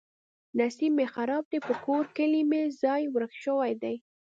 نصیب مې خراب دی. په کور کلي کې مې ځای ورک شوی دی.